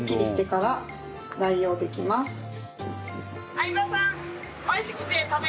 相葉さん！